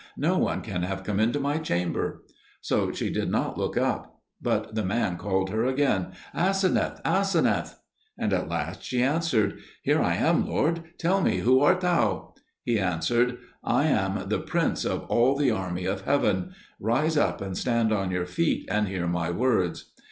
No one can have come into my chamber." So she did not look up; but the man called to her again, "Aseneth, Aseneth!" And at last she answered, "Here am I, lord: tell me, who art thou?" He answered, "I am the Prince of all the army of heaven; rise up and stand on your feet, and hear my words."